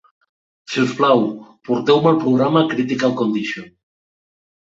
Si us plau, porteu-me el programa Critical Condition.